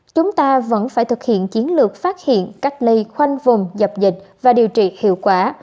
chúng ta vẫn phải thực hiện chiến lược phát hiện cách ly khoanh vùng dập dịch và điều trị hiệu quả